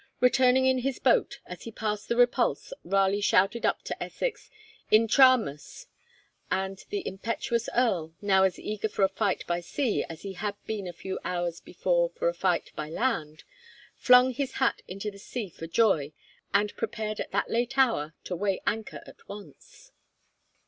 Returning in his boat, as he passed the 'Repulse' Raleigh shouted up to Essex 'Intramus,' and the impetuous Earl, now as eager for a fight by sea as he had been a few hours before for a fight by land, flung his hat into the sea for joy, and prepared at that late hour to weigh anchor at once.